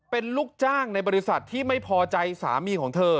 เป็นลูกจ้างในบริษัทที่ไม่พอใจสามีของเธอ